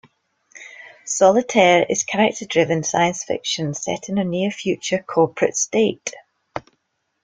"Solitaire" is character-driven science fiction set in a near-future corporate state.